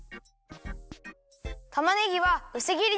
たまねぎはうすぎりにするよ。